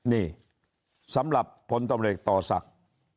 นี่สำหรับพตศักดิ์